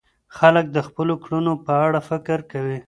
خلک د خپلو کړنو په اړه فکر کوي.